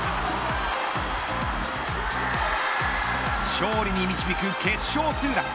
勝利に導く決勝ツーラン。